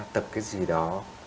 tập cái gì đó